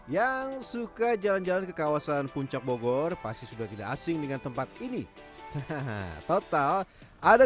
yang suka jalan jalan ke kawasan puncak bogor pasti sudah tidak asing dengan tempat ini total ada